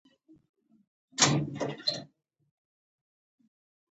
ځان ځاني ښه نه وي.